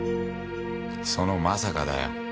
そのまさかだよ。